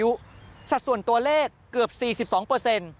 กลับวันนั้นไม่เอาหน่อย